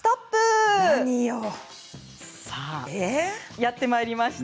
やってまいりました